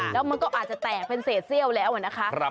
แล้วมันก็อาจจะแตกเป็นเศษเซี่ยวแล้วนะคะ